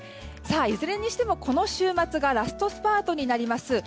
いずれにしてもこの週末がラストスパートになります。